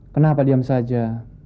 kenapa diam saja